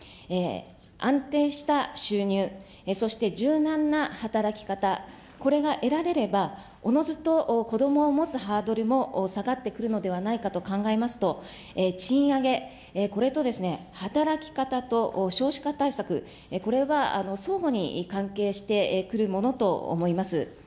安定した収入、そして柔軟な働き方、これが選べれば、おのずと子どもを持つハードルも下がってくるのではないかと考えますと、賃上げ、これと働き方と少子化対策、これは相互に関係してくるものと思います。